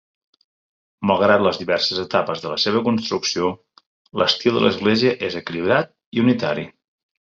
Malgrat les diverses etapes de la seva construcció, l'estil de l'església és equilibrat i unitari.